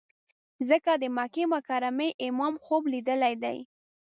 ځکه د مکې مکرمې امام خوب لیدلی دی.